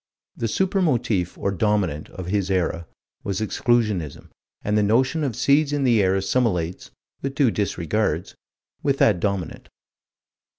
The super motif, or dominant, of his era, was Exclusionism, and the notion of seeds in the air assimilates with due disregards with that dominant.